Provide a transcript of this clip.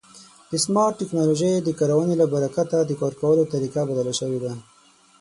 د سمارټ ټکنالوژۍ د کارونې له برکته د کار کولو طریقه بدله شوې ده.